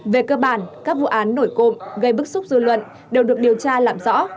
về cơ bản các vụ án nổi cộng gây bức xúc dư luận đều được điều tra làm rõ